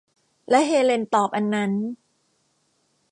และเฮเลนตอบ อันนั้น